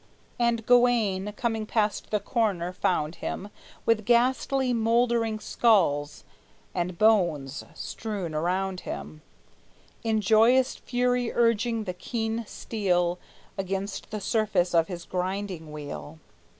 And Gawayne, coming past the corner, found him, With ghastly mouldering skulls and bones strewn round him, In joyous fury urging the keen steel Against the surface of his grinding wheel.